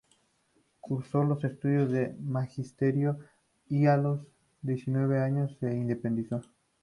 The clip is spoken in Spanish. Cursó estudios de Magisterio, y a los diecinueve años se independizó.